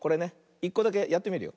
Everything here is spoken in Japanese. １こだけやってみるよ。